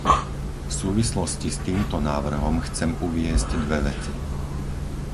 V súvislosti s týmto návrhom chcem uviesť dve veci.